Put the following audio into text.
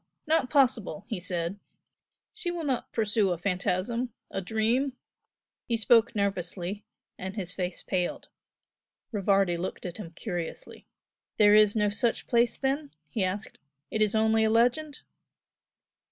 not possible!" he said "She will not pursue a phantasm, a dream!" He spoke nervously, and his face paled. Rivardi looked at him curiously. "There is no such place then?" he asked "It is only a legend?"